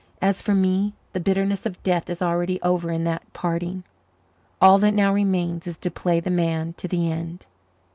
As for me, the bitterness of death is already over in that parting. All that now remains is to play the man to the end.